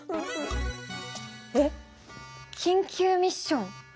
えっ？緊急ミッション？